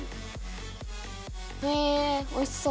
へえ美味しそう。